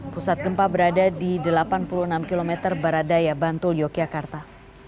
pusat gempa berada di delapan puluh enam km baradaya bantul yogyakarta